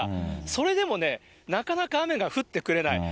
それでもね、なかなか雨が降ってくれない。